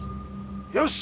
よし！